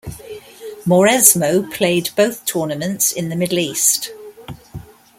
Mauresmo played both tournaments in the Middle East.